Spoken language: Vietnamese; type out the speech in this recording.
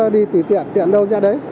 đi tỉ tiện tiện đâu ra đấy